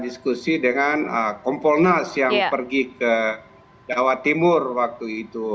diskusi dengan kompolnas yang pergi ke jawa timur waktu itu